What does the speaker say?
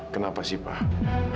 kenapa sih pak